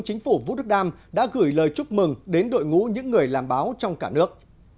chính phủ vũ đức đam đã gửi lời chúc mừng đến đội ngũ những người làm báo trong cả nước